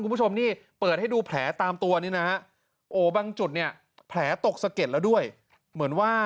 คุณผู้ชมนี่เปิดให้ดูแผลตามตัวนี่นะฮะ